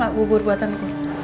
enak gak bubur buatanku